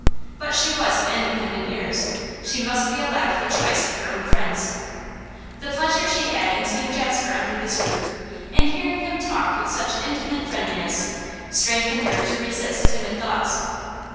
But she was of independent years; she must be allowed the choice of her own friends. The pleasure she had in seeing Jasper under this roof, in hearing him talk with such intimate friendliness, strengthened her to resist timid thoughts.